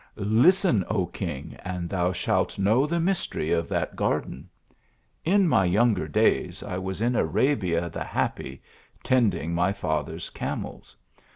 " Listen, O king, and thou shaft know the mystery of that garden. In my younger days I was in Arabia the Happy, tending my father s camels.